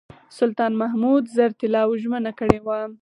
سلطان محمود زر طلاوو ژمنه کړې وه.